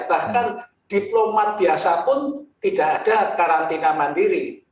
bahkan diplomat biasa pun tidak ada karantina mandiri